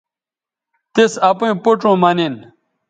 تِس اپئیں پوڇوں مہ نن